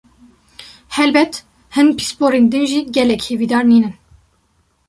Helbet, hin pisporên din jî gelek hêvîdar nînin.